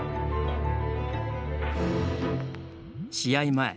試合前。